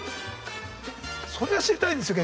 それが知りたいんですよ